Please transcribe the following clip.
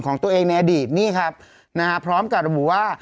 ของตัวเองในอดีตนี่ครับนะฮะพร้อมกับระบุว่า